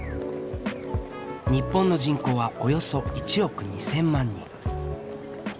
日本の人口はおよそ１億２，０００万人。